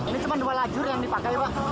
ini cuma dua lajur yang dipakai pak